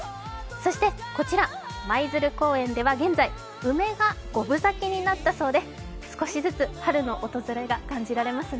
そしてこちら、舞鶴公園では現在、梅が五分咲きになったそうで少しずつ春の訪れが感じられますね。